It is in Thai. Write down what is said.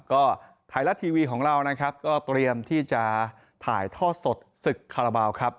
ก็ไทยรัฐทีวีของเรานะครับก็เตรียมที่จะถ่ายทอดสดศึกคาราบาลครับ